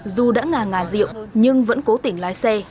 dù đã ngà ngà diệu nhưng vẫn cố tỉnh lái xe